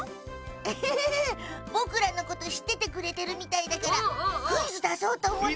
エヘヘヘッぼくらのことしっててくれてるみたいだからクイズだそうとおもって。